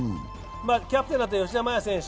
キャプテンだった吉田麻也選手